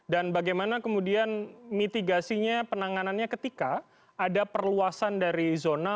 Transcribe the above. dan bagaimana kemudian mitigasinya penanganannya ketika ada perluasan dari zona